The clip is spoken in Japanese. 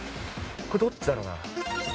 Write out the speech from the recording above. どっちだろうな？